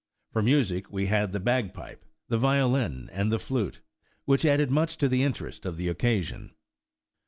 For music we had the bagpipe, the violin and the flute, which added much to the interest of the occasion.